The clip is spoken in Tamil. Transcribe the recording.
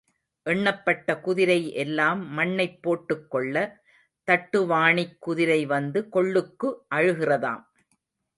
எண்ணப்பட்ட குதிரை எல்லாம் மண்ணைப் போட்டுக் கொள்ள, தட்டுவாணிக் குதிரை வந்து கொள்ளுக்கு அழுகிறதாம்.